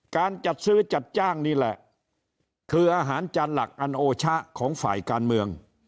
การจัดซื้อจัดจ้างนี่แหละคืออาหารจานหลักอันโอชะของฝ่ายการเมือง